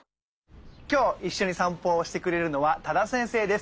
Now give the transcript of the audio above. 今日一緒に散歩をしてくれるのは多田先生です。